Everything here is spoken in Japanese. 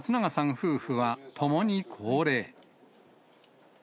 夫婦はともに高齢。